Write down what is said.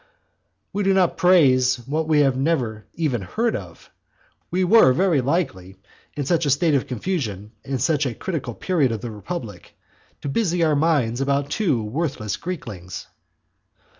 We do not praise what we have never even heard of; we were very likely, in such a state of confusion, and such a critical period of the republic, to busy our minds about two worthless Greeklings!